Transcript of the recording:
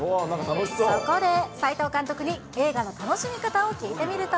そこで齊藤監督に映画の楽しみ方を聞いてみると。